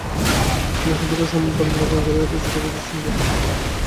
কোন সভ্যতা সম্পূর্ণ স্বতন্ত্রভাবে গড়িয়া উঠিয়াছে, এরূপ দৃষ্টান্ত একটিও পাওয়া যায় না।